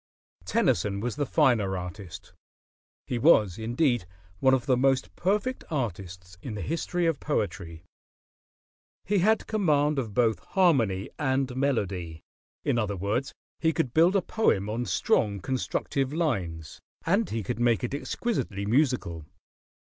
Tennyson was the finer artist; he was, indeed, one of the most perfect artists in the history of poetry. He had command of both harmony and melody; in other words, he could build a poem on strong constructive lines, and he could make it exquisitely musical.